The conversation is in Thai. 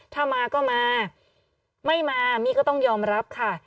ถ้ามาก็มาไม่มามี่ก็ต้องยอมรับค่ะ